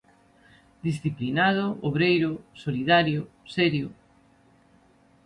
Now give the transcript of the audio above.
Disciplinado, obreiro, solidario, serio.